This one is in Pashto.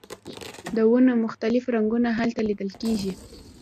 د ونو مختلف رنګونه هلته لیدل کیږي